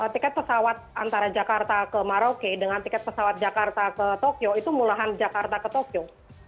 tiket pesawat antara jakarta ke maroke dengan tiket pesawat jakarta ke tokyo itu murahan jakarta ke tokyo